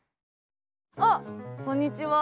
あっこんにちは。